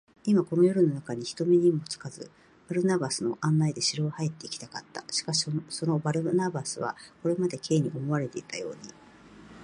今、この夜なかに、人目にもつかず、バルナバスの案内で城へ入っていきたかった。しかし、そのバルナバスは、これまで Ｋ に思われていたように、